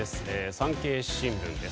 産経新聞です。